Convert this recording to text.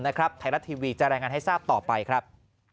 ไทยรัฐทีวีจะรายงานให้ทราบต่อไปครับ